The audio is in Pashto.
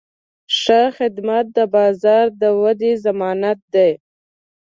ښه خدمت د بازار د ودې ضمانت دی.